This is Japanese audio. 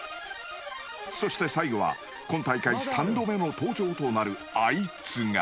［そして最後は今大会３度目の登場となるあいつが］